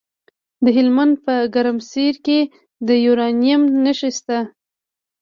د هلمند په ګرمسیر کې د یورانیم نښې شته.